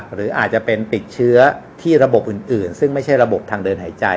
หรืออาจจะเป็นติดเชื้อที่ระบบอื่นซึ่งไม่ใช่ระบบทางเดินหายใจ